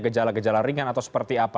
gejala gejala ringan atau seperti apa